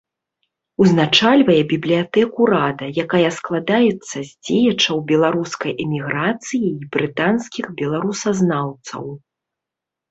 Узначальвае бібліятэку рада, якая складаецца з дзеячаў беларускай эміграцыі і брытанскіх беларусазнаўцаў.